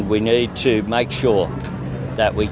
dan kita harus memastikan